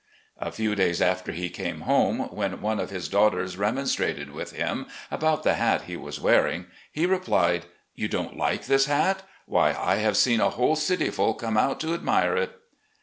A few days after he came home, when one of his daughters remonstrated with him about the hat he was wearing, he replied: "You don't like this hat? Why, I have seen a whole cityful come out to admire it